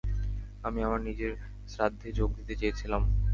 আমি আমার নিজের শ্রাদ্ধে যোগ দিতে চেয়েছিলাম।